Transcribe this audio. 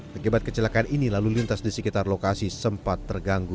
akibat kecelakaan ini lalu lintas di sekitar lokasi sempat terganggu